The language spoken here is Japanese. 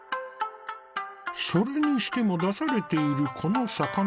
それにしても出されているこの魚。